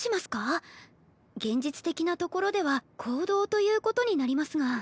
現実的なところでは講堂ということになりますが。